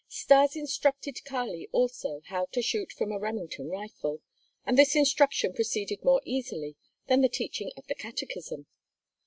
XV Stas instructed Kali also how to shoot from a Remington rifle, and this instruction proceeded more easily than the teaching of the catechism.